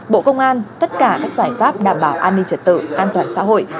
bộ công an tất cả các giải pháp đảm bảo an ninh trật tự an toàn xã hội